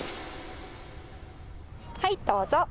はいどうぞ。